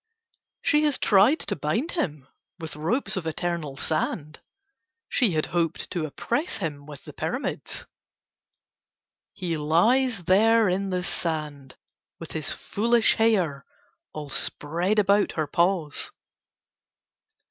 She has tried to bind him with ropes of eternal sand, she had hoped to oppress him with the Pyramids. He lies there in the sand with his foolish hair all spread about her paws.